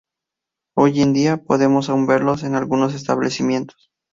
Hoy en día, podemos aún verlos en algunos establecimientos.